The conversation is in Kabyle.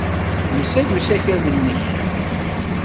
Yusa-d usakal-nnek.